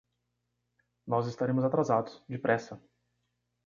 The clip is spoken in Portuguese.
Nós estaremos atrasados, depressa.